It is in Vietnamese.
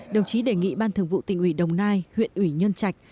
đồng chí đề nghị ban thường vụ tỉnh ủy đồng nai huyện ủy nhân trạch